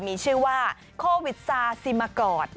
มีชื่อว่าโควิดซาซิมากอด